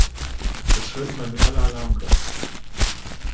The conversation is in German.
Da schrillten bei mir alle Alarmglocken.